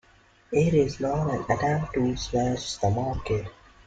It is not an attempt to smash the market.